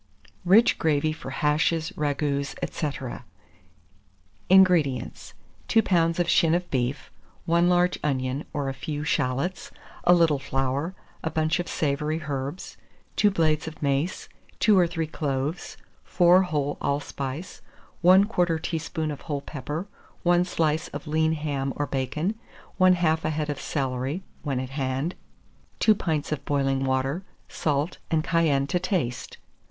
RICH GRAVY FOR HASHES, RAGOUTS, &c. 438. INGREDIENTS. 2 lbs. of shin of beef, 1 large onion or a few shalots, a little flour, a bunch of savoury herbs, 2 blades of mace, 2 or 3 cloves, 4 whole allspice, 1/4 teaspoonful of whole pepper, 1 slice of lean ham or bacon, 1/2 a head of celery (when at hand), 2 pints of boiling water; salt and cayenne to taste.